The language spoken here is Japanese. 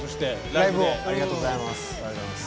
ライブをありがとうございます。